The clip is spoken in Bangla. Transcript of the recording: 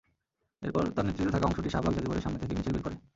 এরপর তাঁর নেতৃত্বে থাকা অংশটি শাহবাগ জাদুঘরের সামনে থেকে মিছিল বের করে।